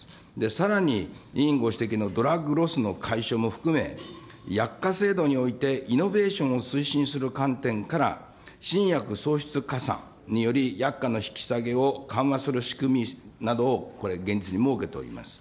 さらに委員ご指摘のドラッグロスの解消も含め、薬価制度においてイノベーションを推進する観点から、新薬創出加算により、薬価の引き下げを緩和する仕組みなどをこれ現実に設けております。